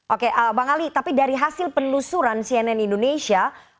oke bang ali tapi dari hasil penelusuran cnn indonesia